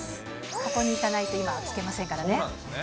ここに行かないと、今は聴けませんからね。